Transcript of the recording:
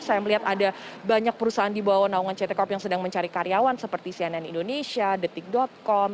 saya melihat ada banyak perusahaan di bawah naungan ct corp yang sedang mencari karyawan seperti cnn indonesia detik com